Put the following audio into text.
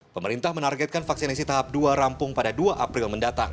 pemerintah menargetkan vaksinasi tahap dua rampung pada dua april mendatang